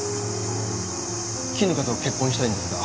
絹香と結婚したいんですが。